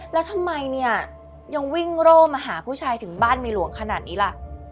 แล้วทำไมเนี่ยยังวิ่งโร่มาหาผู้ชายถึงบ้านเมียหลวงขนาดนี้ล่ะ